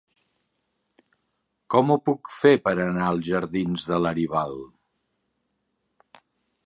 Com ho puc fer per anar als jardins de Laribal?